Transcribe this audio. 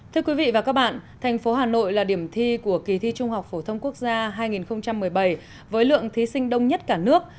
thưa quý vị và các bạn thành phố hà nội là điểm thi của kỳ thi trung học phổ thông quốc gia hai nghìn một mươi bảy với lượng thí sinh đông nhất cả nước